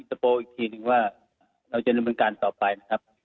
อีกทีหนึ่งว่าเราจะทำเป็นการต่อไปนะครับ